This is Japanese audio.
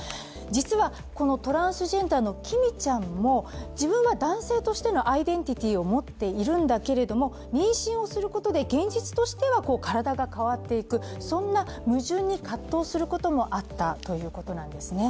実は、このトランスジェンダーのきみちゃんも、自分は男性としてのアイデンティティを持っているんだけれども妊娠をすることで現実としては体が変わっていくそんな矛盾に葛藤することもあったということなんですね。